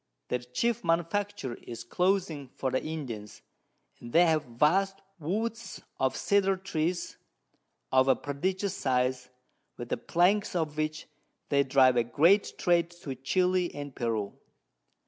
Their chief Manufacture is Clothing for the Indians, and they have vast Woods of Cedar Trees of a prodigious size, with the Planks of which they drive a great Trade to Chili and Peru.